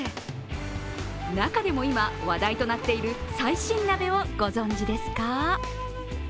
中でも今、話題となっている最新鍋をご存じですか。